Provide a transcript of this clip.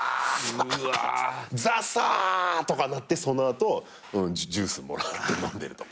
うわザサーとかなってその後ジュースもらって飲んでるとか。